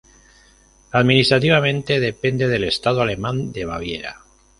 Administrativamente depende del estado alemán de Baviera.